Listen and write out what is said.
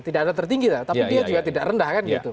tidak ada tertinggi tapi dia juga tidak rendah kan gitu